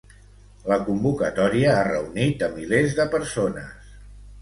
La convocatòria ha reunit a milers de persones